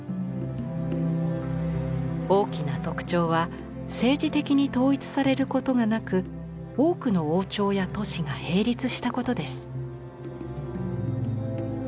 大きな特徴は政治的に統一されることがなく多くの王朝や都市が並立したことです。